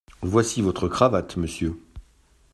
Voici votre cravate, monsieur.